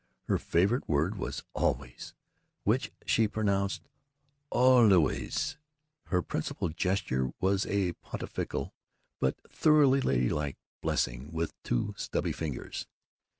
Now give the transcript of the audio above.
Her favorite word was "always," which she pronounced olllllle ways. Her principal gesture was a pontifical but thoroughly ladylike blessing with two stubby fingers.